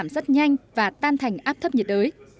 cấp độ giảm rất nhanh và tan thành áp thấp nhiệt ới